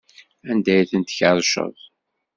Anda ay tent-tkerrceḍ?